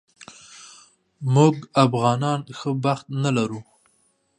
موږ افغانان ښه بخت نه لرو